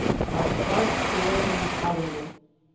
My heart failed me utterly.